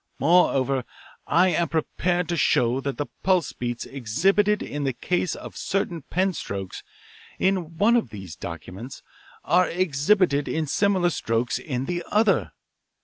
Moreover, I am prepared to show that the pulse beats exhibited in the case of certain pen strokes in one of these documents are exhibited in similar strokes in the other.